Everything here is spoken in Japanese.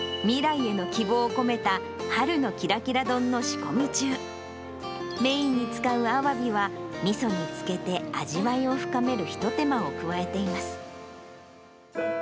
未来への希望を込めた春のキラキラ丼の仕込み中、メインに使うアワビは、みそに漬けて味わいを深める一手間を加えています。